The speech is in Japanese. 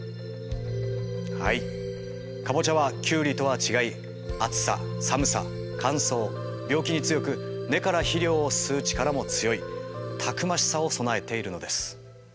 はいカボチャはキュウリとは違い暑さ寒さ乾燥病気に強く根から肥料を吸う力も強いたくましさを備えているのです。